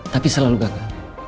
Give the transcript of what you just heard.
tapi selalu gagal